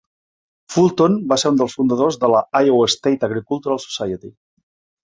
Fulton va ser un dels fundadors de la Iowa State Agricultural Society.